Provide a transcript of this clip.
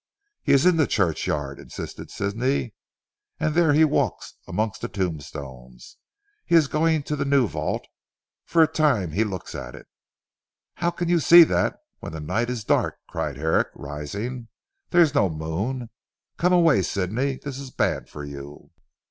"He is in the churchyard," insisted Sidney, "there he walks amongst the tombstones. He is going to the new vault. For a time he looks at it." "How can you see that when the night is dark?" cried Herrick rising, "there is no moon. Come away Sidney, this is bad for you."